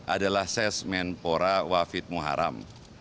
adalah sesmen pora wafid muharam